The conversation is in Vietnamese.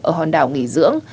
ở hòn đảo nghỉ dưỡng